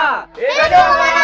hidup bukamana atta